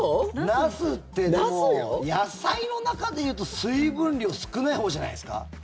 ナスってでも野菜の中で言うと水分量少ないほうじゃないですか？